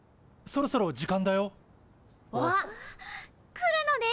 来るのね！